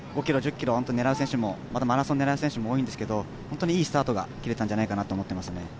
５ｋｍ、１０ｋｍ、マラソンを狙う選手も多いんですけど、本当にいいスタートが切れたんじゃないかなと思っていますね。